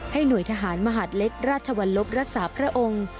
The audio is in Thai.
หน่วยทหารมหาดเล็กราชวรรลบรักษาพระองค์